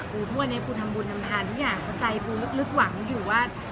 ปูทั่วเนี้ยปูทำบุญทำทานที่อยากใจปูลึกหวังอยู่ว่า